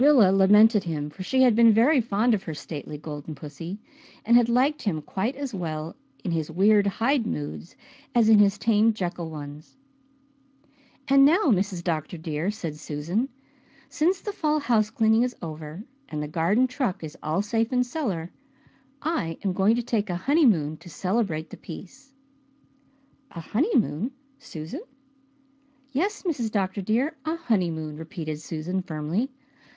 Rilla lamented him, for she had been very fond of her stately golden pussy, and had liked him quite as well in his weird Hyde moods as in his tame Jekyll ones. "And now, Mrs. Dr. dear," said Susan, "since the fall house cleaning is over and the garden truck is all safe in cellar, I am going to take a honeymoon to celebrate the peace." "A honeymoon, Susan?" "Yes, Mrs. Dr. dear, a honeymoon," repeated Susan firmly.